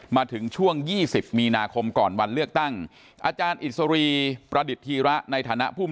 มาถึงช่วง๒๐มีนาคมก่อนวันเลือกตั้งอาจารย์อิสรีประดิษฐีระในฐานะผู้